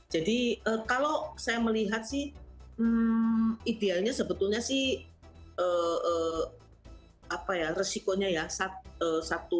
jadi kalau saya melihat sih idealnya sebetulnya sih resikonya ya satu